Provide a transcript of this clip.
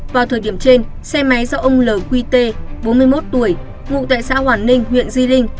vào thời điểm trên xe máy do ông l quy tê bốn mươi một tuổi ngụ tại xã hoàn ninh huyện di linh